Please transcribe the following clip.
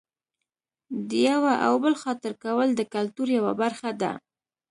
د یوه او بل خاطر کول د کلتور یوه برخه ده.